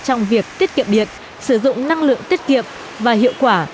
trong việc tiết kiệm điện sử dụng năng lượng tiết kiệm và hiệu quả